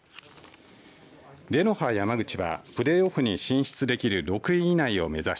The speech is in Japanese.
レノファ山口はプレーオフに進出できる６位以内を目指し